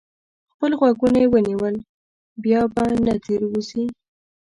خپل غوږونه یې ونیول؛ بیا به نه تېروځي.